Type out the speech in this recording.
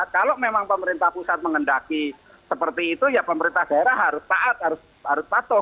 kalau memang pemerintah pusat menghendaki seperti itu ya pemerintah daerah harus taat harus patuh